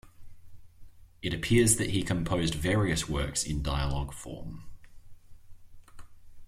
It appears that he composed various works in dialogue form.